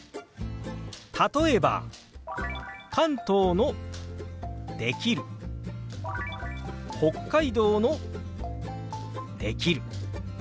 例えば関東の「できる」北海道の「できる」。